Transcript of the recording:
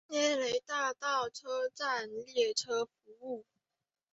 涅雷大道车站列车服务。